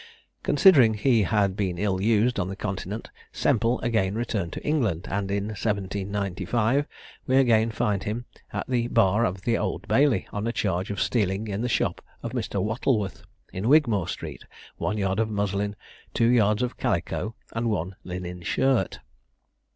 Considering he had been ill used on the Continent, Semple again returned to England; and in 1795 we again find him at the bar of the Old Bailey, on a charge of stealing in the shop of Mr. Wattleworth, in Wigmore Street, one yard of muslin, two yards of calico, and one linen shirt.